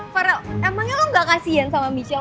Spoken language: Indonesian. fara emangnya lo gak kasihan sama michelle